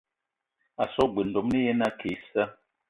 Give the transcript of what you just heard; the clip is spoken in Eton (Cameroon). A so g-beu ndomni ye na ake issa.